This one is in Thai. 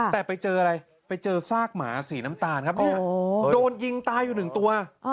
แต่ไปเจออะไรไปเจอซากหมาสีน้ำตาลครับเนี่ยโดนยิงตายอยู่หนึ่งตัว